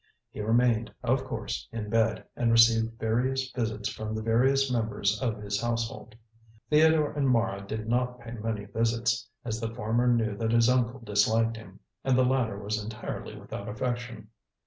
He remained, of course, in bed, and received various visits from the various members of his household. Theodore and Mara did not pay many visits, as the former knew that his uncle disliked him, and the latter was entirely without affection.